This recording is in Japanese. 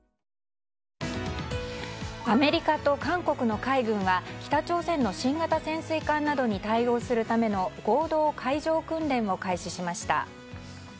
アメリカと韓国の海軍は北朝鮮の新型潜水艦などに対応するための合同海上訓練を開始しました。